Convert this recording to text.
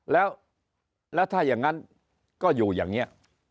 แล้วถ้าอย่างนั้นก็อยู่อย่างนี้